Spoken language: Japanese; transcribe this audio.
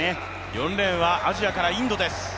４レーンはアジアからインドです。